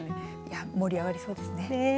盛り上がりそうですね。